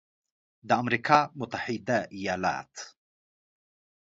د امریکا متحده ایالات